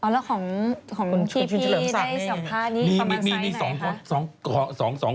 อ๋อแล้วของที่พี่ได้สัมภาษณ์นี้ประมาณไซส์ไหนคะ